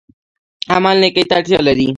عمل نیکۍ ته اړتیا لري